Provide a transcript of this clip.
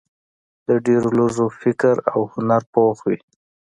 د ډېرو لږو فکر او هنر پوخ وي.